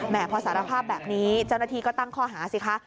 พอสารภาพแบบนี้เจ้าหน้าที่ก็ตั้งข้อหาสิคะ